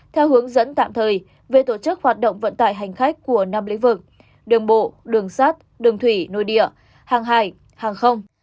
theo hướng dẫn tạm thời về tổ chức hoạt động vận tải hành khách của năm lĩnh vực đường bộ đường sát đường thủy nội địa hàng hải hàng không